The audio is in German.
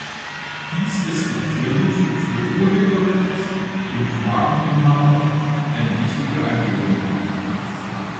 Dies ist natürlich für Urheberrechts- und Markeninhaber eine wichtige Angelegenheit.